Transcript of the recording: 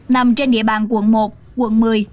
nằm trên địa bàn quận một quận một mươi